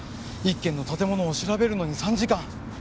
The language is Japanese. １軒の建物を調べるのに３時間。